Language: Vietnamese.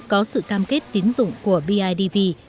có sự cam kết tín dụng của bidv